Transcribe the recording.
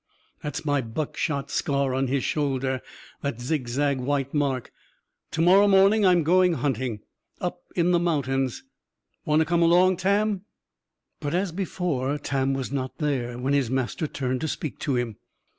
H'm! That's my buckshot scar on his shoulder, that zig zag white mark. To morrow morning, I'm going hunting. Up in the mountains. Want to come along, Tam?" But, as before, Tam was not there, when his master turned to speak to him.